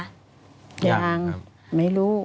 ยังไม่รู้